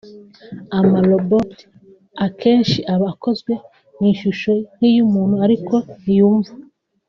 Ama-robots akenshi aba akoze mu ishusho nk’iy’umuntu ariko ntiyumva